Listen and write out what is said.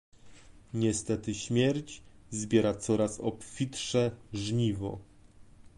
Niestety, śmierć zbiera coraz obfitsze żniwo